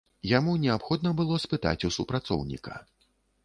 Яму неабходна было спытаць у супрацоўніка.